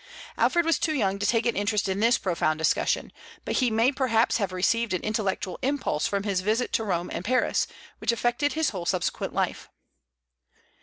Alfred was too young to take an interest in this profound discussion; but he may perhaps have received an intellectual impulse from his visit to Rome and Paris, which affected his whole subsequent life.